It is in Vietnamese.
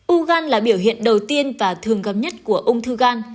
u gan là biểu hiện đầu tiên và thường gặp nhất của ung thư gan